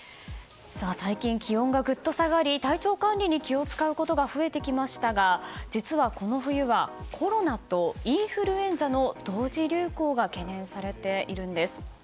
最近、気温がぐっと下がり体調管理に気を使うことが増えてきましたが実は、この冬はコロナとインフルエンザの同時流行が懸念されているんです。